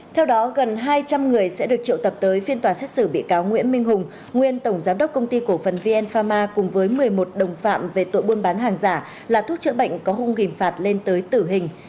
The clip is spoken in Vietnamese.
theo đó gần hai trăm linh người sẽ được triệu tập tới phiên tòa xét xử bị cáo nguyễn minh hùng nguyên tổng giám đốc công ty cổ phần vn pharma cùng với một mươi một đồng phạm về tội buôn bán hàng giả là thuốc chữa bệnh có hung khí lên tới tử hình